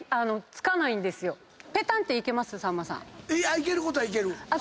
いけることはいける。